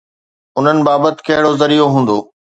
انهن بابت ڪهڙو ذريعو هوندو؟